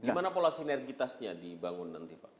gimana pola sinergitasnya di bangunan